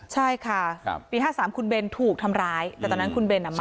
ใช่ค่ะปี๕๓คุณเบนถูกทำร้ายแต่ตอนนั้นคุณเบนอ่ะมา